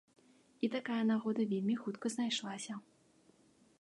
І такая нагода вельмі хутка знайшлася.